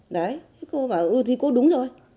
đấy cô bảo ừ thì cô đúng rồi